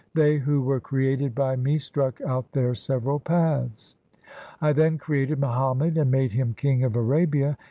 1 They who were created by Me Struck out their several paths. I then created Muhammad, And made him king of Arabia.